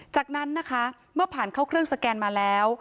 จากนั้นนะคะเมื่อผ่านเข้าเครื่องสแกนมาแล้ว